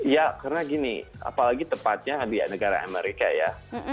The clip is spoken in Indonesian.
ya karena gini apalagi tepatnya di negara amerika ya